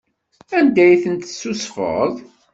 Anda i ten-tessusfeḍ?